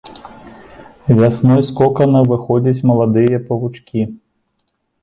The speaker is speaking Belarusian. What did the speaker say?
Вясной з кокана выходзяць маладыя павучкі.